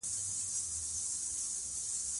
دا هميشه خندانه وي